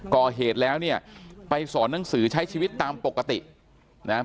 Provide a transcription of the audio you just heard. ก่อเหตุแล้วเนี่ยไปสอนหนังสือใช้ชีวิตตามปกตินะครับ